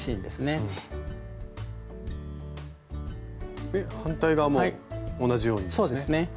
で反対側も同じようにですね。